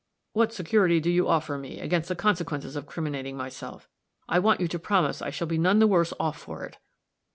"What security do you offer me against the consequences of criminating myself? I want you to promise I shall be none the worse off for it."